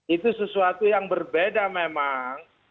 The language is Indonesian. itu sesuatu yang berbeda memang